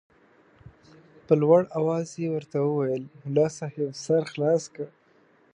په لوړ اواز یې ورته وویل ملا صاحب سر خلاص که.